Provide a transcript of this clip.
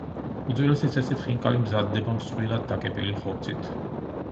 უძველესი წესით ხინკალი მზადდება მსხვილად დაკეპილი ხორცით.